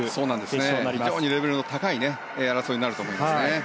非常にレベルの高い争いになると思いますね。